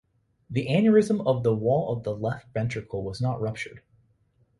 The aneurysm of the wall of the left ventricle was not ruptured.